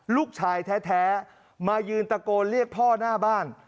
ลูกชายแท้มายืนตะโกนเรียกพ่อหน้าบ้าน